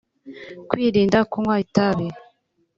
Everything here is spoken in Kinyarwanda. Kwirinda kunywa itabi